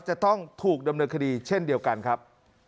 จะต้องถูกดำเนินคดีเช่นเดียวกันครับ